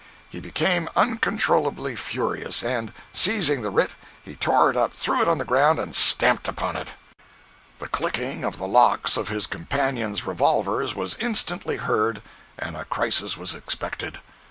He became uncontrollably furious, and seizing the writ, he tore it up, threw it on the ground and stamped upon it. 092.jpg (121K) The clicking of the locks of his companions' revolvers was instantly heard, and a crisis was expected.